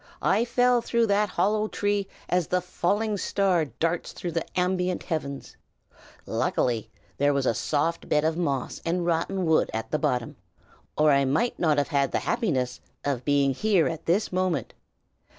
I fell through that hollow tree as the falling star darts through the ambient heavens. Luckily there was a soft bed of moss and rotten wood at the bottom, or I might not have had the happiness of being here at this moment.